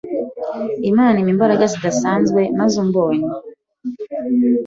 Imana impa imbaraga zidasanzwe maze umbonye